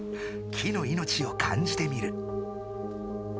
木の命を感じてみる。